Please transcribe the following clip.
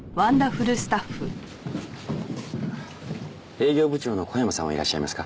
営業部長の小山さんはいらっしゃいますか？